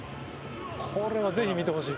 これはぜひ見てほしい。